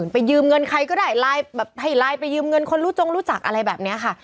ไปยืมเงินใครก็ได้ให้ลายไปยืมเงินคนรู้จักอะไรแบบนี้ค่ะ